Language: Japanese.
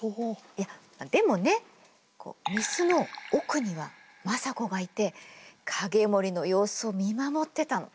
いやでもね御簾の奥には政子がいて景盛の様子を見守ってたの。